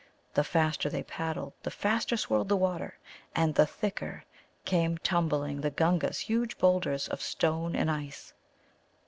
The faster they paddled the faster swirled the water, and the thicker came tumbling the Gunga's huge boulders of stone and ice.